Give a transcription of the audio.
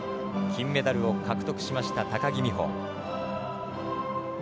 金メダルを獲得しました高木美帆。